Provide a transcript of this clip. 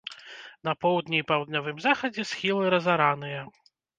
На поўдні і паўднёвым захадзе схілы разараныя.